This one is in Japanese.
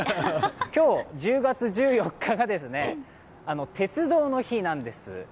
今日１０月１４日が鉄道の日なんです。